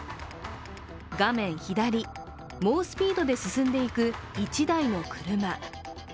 画面左、猛スピードで進んでいく１台の車。